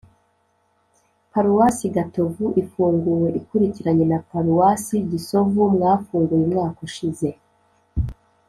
paruwasi gatovu ifunguwe ikurikiranye na paruwasi gisovu mwafunguye umwaka ushize